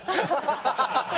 ハハハハ！